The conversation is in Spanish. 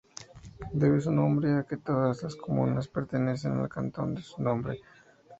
Debe su nombre a que todas las comunas pertenecen al cantón de su nombre.